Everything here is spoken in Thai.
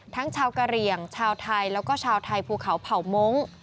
ชาวกะเหลี่ยงชาวไทยแล้วก็ชาวไทยภูเขาเผ่ามงค์